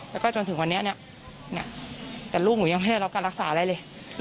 แล้วก็จนถึงวันนี้แต่ลูกหนูยังไม่ได้รับการรักษาอะไรเลย